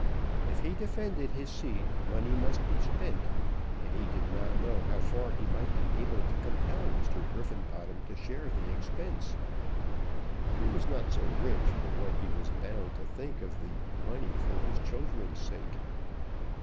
If he defended his seat money must be spent, and he did not know how far he might be able to compel Mr. Griffenbottom to share the expense. He was not so rich but what he was bound to think of the money, for his children's sake.